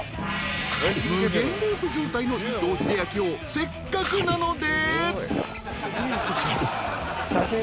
［無限ループ状態の伊藤英明をせっかくなので］